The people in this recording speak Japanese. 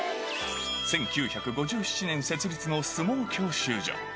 １９５７年設立の相撲教習所。